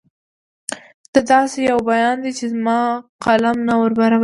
دا داسې یو بیان دی چې زما قلم نه وربرابرېږي.